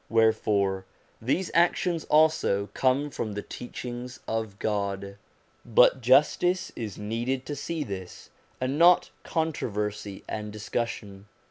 Wherefore these actions also come from the teach ings of God. But justice is needed to see this, and not controversy and discussion.